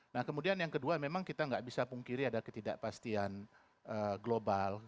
nah kemudian yang kedua memang kita nggak bisa pungkiri ada ketidakpastian global